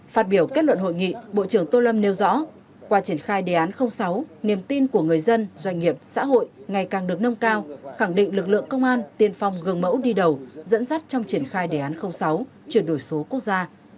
phát biểu kết luận hội nghị bộ trưởng tô lâm nêu rõ qua triển khai đề án sáu niềm tin của người dân doanh nghiệp xã hội ngày càng được nâng cao khẳng định lực lượng công an tiên phong gần mẫu đi đầu dẫn dắt trong triển khai đề án sáu chuyển đổi số quốc gia